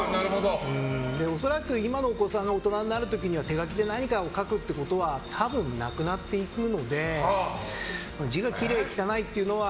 恐らく、今のお子さんが大人になる時には手書きで何かを書くということは多分なくなっていくので字がきれい、汚いっていうのは。